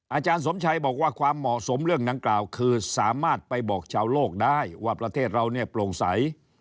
อาจารย์สมชัยบอกว่าความเหมาะสมเรื่องดังกล่าวคือสามารถไปบอกชาวโลกได้ว่าประเทศเราเนี่ยโปร่งใส